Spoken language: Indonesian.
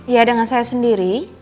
ya dengan saya sendiri